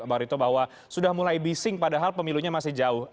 bang rito bahwa sudah mulai bising padahal pemilunya masih jauh